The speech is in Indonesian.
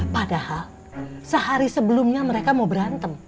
padahal sehari sebelumnya mereka mau berantem